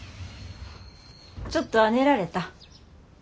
ちょっとは寝られた？